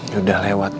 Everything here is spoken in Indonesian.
sudah lewat ya